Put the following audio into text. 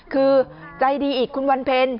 คือใจดีอีกคุณวรรณเพลย์